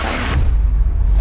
jangan kau bikin pack bangetmu